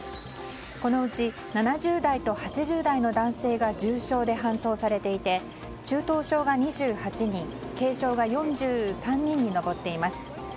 このうち７０代と８０代の男性が重症で搬送されていて中等症が２８人軽症が４３人に上っています。